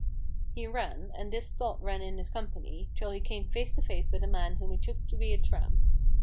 He ran, and this thought ran in his company, till he came face to face with a man whom he took to be a tramp.